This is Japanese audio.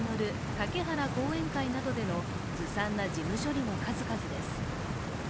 竹原後援会などでのずさんな事務処理の数々です。